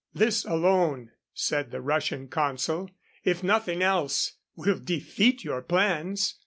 "This alone," said the Russian consul, "if nothing else, will defeat your plans."